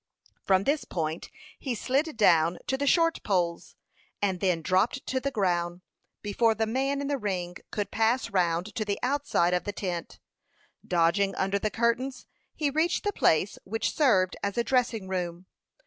From this point he slid down to the short poles, and then dropped upon the ground, before the man in the ring could pass round to the outside of the tent. Dodging under the curtains, he reached the place which served as a dressing room.